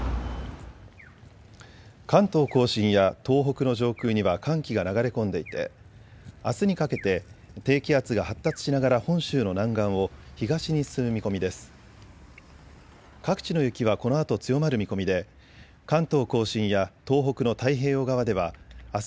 関東甲信や東北の上空には寒気が流れ込んでいてあすにかけて低気圧が発達しながら本州の南岸を東に進む見込みです。